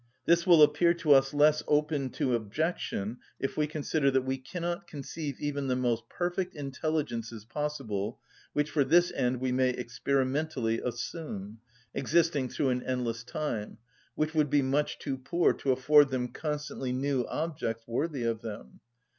This will appear to us less open to objection if we consider that we cannot conceive even the most perfect intelligences possible, which for this end we may experimentally assume, existing through an endless time, which would be much too poor to afford them constantly new objects worthy of them.